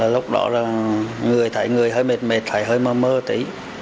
lúc đó người thấy người hơi mệt mệt thấy hơi mơ mơ tí